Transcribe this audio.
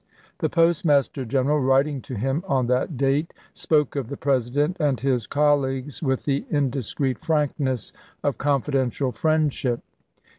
The Postmaster Gen Aug.24,i86i. eral, writing to him on that date, spoke of the President and his colleagues with the indiscreet frankness of confidential friendship.